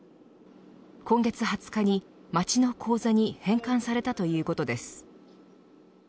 今月２０日に町の口座に返還されたということです。